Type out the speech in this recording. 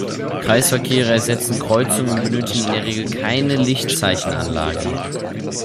Kreisverkehre ersetzen Kreuzungen und benötigen in der Regel keine Lichtzeichenanlagen.